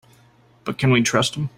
But can we trust him?